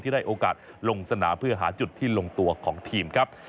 ได้โอกาสลงสนามเพื่อหาจุดที่ลงตัวของทีมครับ